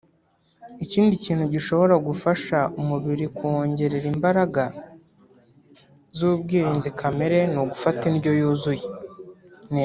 Ikindi kintu gishobora gufasha umubiri kuwongerea imbaraga z’ubwirinzi kamere ni ugufata indyo yuzuye neza